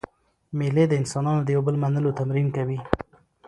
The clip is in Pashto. مېلې د انسانانو د یو بل منلو تمرین کوي.